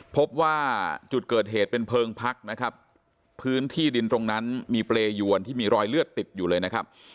พบว่าจุดเกิดเหตุเป็นเพลิงพักนะครับพื้นที่ดินตรงนั้นมีเปรยวนที่มีรอยเลือดติดอยู่เลยนะครับ